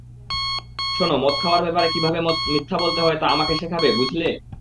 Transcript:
শোনো, মদ খাওয়ার ব্যাপারে কীভাবে মিথ্যা বলতে হয় তা আমাকে শেখাবে, বুঝলে?